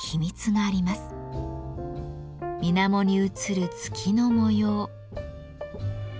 みなもに映る月の模様。